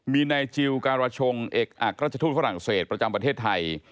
มีนายจิลการชงเอกอักราชทูตฝรั่งเศสประจำประเทศไทย